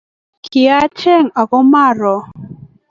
Kiacheny ako ma anyori